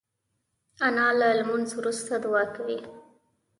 انا له لمونځ وروسته دعا کوي